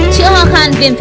chữa hoa khan viêm phim